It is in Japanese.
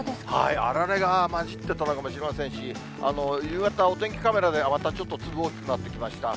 あられが交じってたのかもしれませんし、夕方、お天気カメラでは、また、ちょっと粒多くなってきました。